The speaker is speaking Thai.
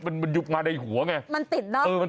โอ้ยเดี๋ยวก่อน